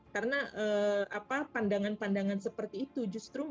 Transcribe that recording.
karena pandangan pandangan seperti itu justru membuat